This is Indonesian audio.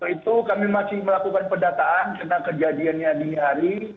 itu kami masih melakukan pendataan tentang kejadiannya di hari